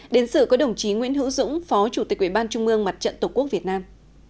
đến sự có đồng chí nguyễn hữu dũng phó chủ tịch ủy ban trung mương mặt trận tổ quốc việt nam